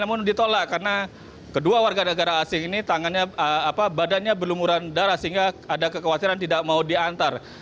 namun ditolak karena kedua warga negara asing ini tangannya badannya berlumuran darah sehingga ada kekhawatiran tidak mau diantar